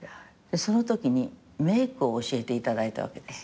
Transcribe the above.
そのときにメークを教えていただいたわけです。